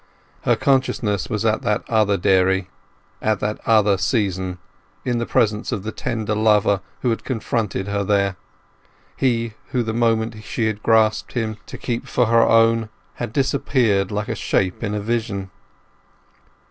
Her consciousness was at that other dairy, at that other season, in the presence of the tender lover who had confronted her there—he who, the moment she had grasped him to keep for her own, had disappeared like a shape in a vision.